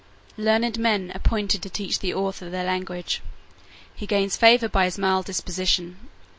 Learned men appointed to teach the author their language. He gains favour by his mild disposition.